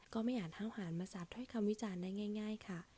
ไม่อาจห้าวหารมาสาดถ้อยคำวิจารณ์ได้ง่ายค่ะ